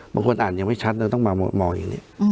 บางคนอ่านยังไม่ชัดเลยต้องมามองอย่างนี้